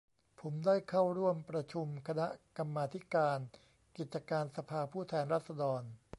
ผมได้เข้าร่วมประชุมคณะกรรมาธิการกิจการสภาผู้แทนราษฎร